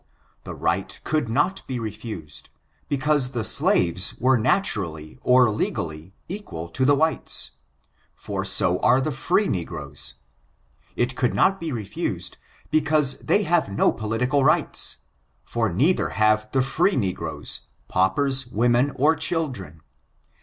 The right could not be refused, because the slaves were naturally or legally equal to the whites, for so are the free negroes. It could not be refused, because they have no political rights, for neither have the free negroes, paupers, women, or children.